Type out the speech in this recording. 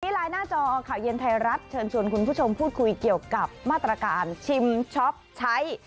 ไลน์หน้าจอข่าวเย็นไทยรัฐเชิญชวนคุณผู้ชมพูดคุยเกี่ยวกับมาตรการชิมช็อปใช้